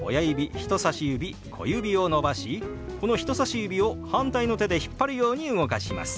人さし指小指を伸ばしこの人さし指を反対の手で引っ張るように動かします。